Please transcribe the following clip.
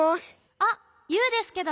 あっユウですけど。